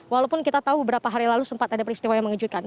walaupun kita tahu beberapa hari lalu sempat ada peristiwa yang mengejutkan